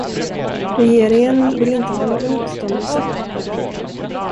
Regeringen vill inte ha någon uppståndelse.